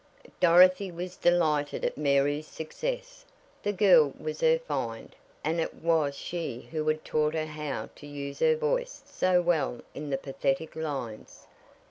Dorothy was delighted at Mary's success. The girl was her "find," and it was she who had taught her how to use her voice so well in the pathetic lines.